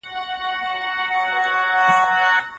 کاشکې وکولای شم چې د هغه په څېر یو څو بیتونه ولیکم.